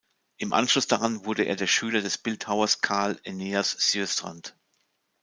Im Anschluss daran wurde er der Schüler des Bildhauers Carl Eneas Sjöstrand.